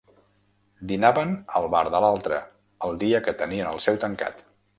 Dinaven al bar de l'altre el dia que tenien el seu tancat.